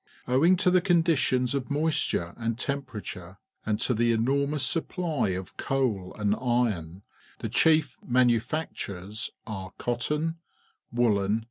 Owing to the conditions of moisture and temperature and to the enormous supply of coal and iron, the chief manufactures are cotton, woollen.